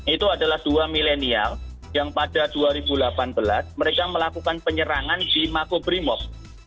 itu adalah dua milenial yang pada dua ribu delapan belas mereka melakukan penyerangan di makobrimob